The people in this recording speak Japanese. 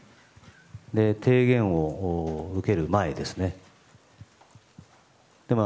提言を受ける前ですね。